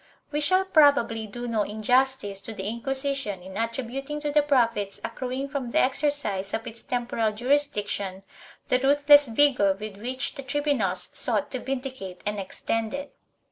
1 We shall probably do no injustice to the Inquisition in attribut ing to the profits accruing from the exercise of its temporal jurisdiction the ruthless vigor with which the tribunals sought to vindicate and extend it.